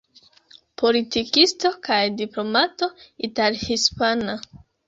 Politikisto kaj diplomato ital-hispana.